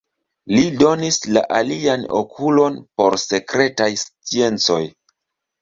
Li donis la alian okulon por sekretaj sciencoj.